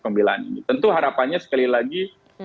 pembelaan ini tentu harapannya sekali lagi